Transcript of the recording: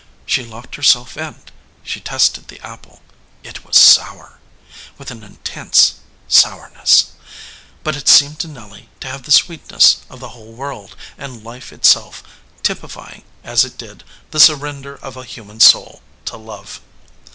She locked herself in ; she tested the apple. It was sour, with an intense sourness, but it seemed to Nelly to have the sweetness of the whole world, and life itself, typifying, as it did, the surrender of a human soul to love.